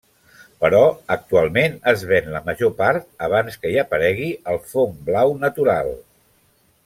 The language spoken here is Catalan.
Però actualment es ven la major part abans que hi aparegui el fong blau natural.